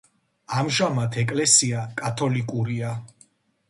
ამჟამად ეკლესია კათოლიკურია.